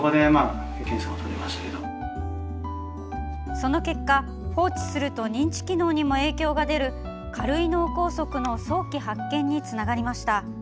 その結果、放置すると認知機能にも影響が出る軽い脳梗塞の早期発見につながりました。